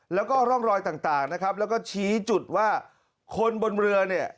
แล้วก็ร่องรอยต่างนะครับแล้วก็ชี้จุดว่าคนบนเรือเนี่ย